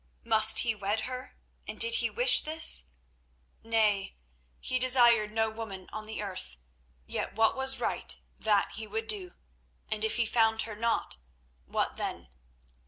Must he wed her, and did he wish this? Nay, he desired no woman on the earth; yet what was right that he would do. And if he found her not, what then?